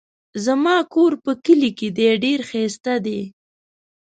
زما کور په کلي کې دی ډېر ښايسته دی